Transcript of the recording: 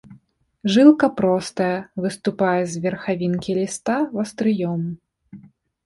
Жылка простая, выступае з верхавінкі ліста вастрыём.